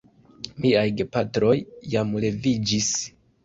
Miaj gepatroj jam leviĝis.